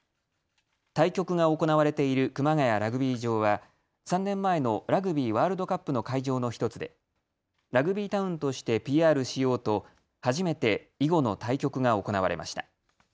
対局が行われている熊谷ラグビー場は３年前のラグビーワールドカップの会場の１つでラグビータウンとしてＰＲしようと初めて囲碁の対局が行われました。